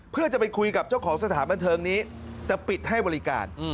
เพื่อจะไปคุยกับเจ้าของสถานบันเทิงนี้แต่ปิดให้บริการ